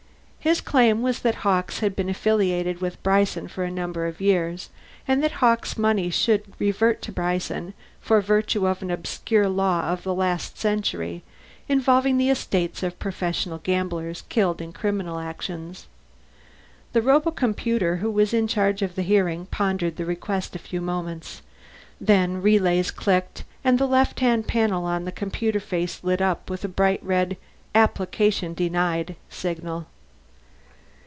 His claim was that Hawkes had been affiliated with Bryson a number of years ago, and that Hawkes' money should revert to Bryson by virtue of an obscure law of the last century involving the estates of professional gamblers killed in criminal actions. The robocomputer who was in charge of the hearing pondered the request a few moments; then relays clicked and the left hand panel on the computer face lit up with a bright red APPLICATION DENIED signal.